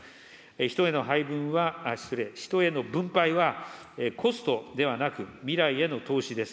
人への配分は、失礼、人への分配はコストではなく、未来への投資です。